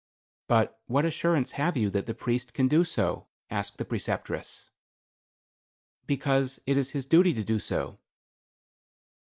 "But what assurance have you that the priest can do so?" asked the Preceptress. "Because it is his duty to do so."